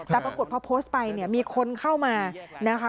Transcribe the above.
แต่ปรากฏพอโพสต์ไปเนี่ยมีคนเข้ามานะคะ